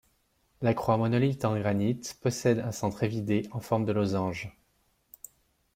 La croix monolithe en granit possède un centre évidé en forme de losange.